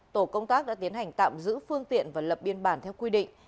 tổ công tác đã tiến hành tạm giữ phương tiện và lập biên bản theo quy định